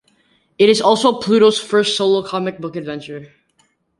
It is also Pluto's first solo comic book adventure.